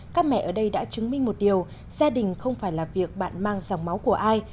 các mẹ ở đây đã chứng minh một điều gia đình không phải là việc bạn mang dòng máu của ai